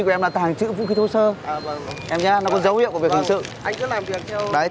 em đang xếp hàng đang bộ khách đang ở đây